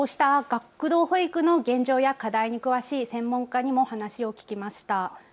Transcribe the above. こうした学童保育の現状や課題に詳しい専門家にも話を聞きました。